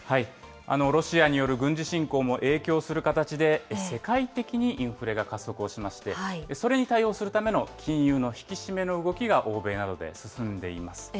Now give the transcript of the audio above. ロシアによる軍事侵攻も影響する形で、世界的にインフレが加速をしまして、それに対応するための金融の引き締めの動きが欧米などで進んでいます。